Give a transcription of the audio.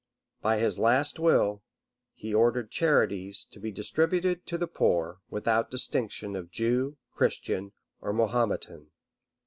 By his last will, he ordered charities to be distributed to the poor, without distinction of Jew, Christian, or Mahometan.